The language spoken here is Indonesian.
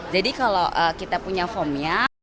jadi kalau kita punya formnya